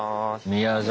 宮崎